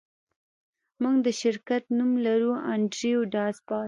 موږ د شرکت نوم لرو انډریو ډاټ باس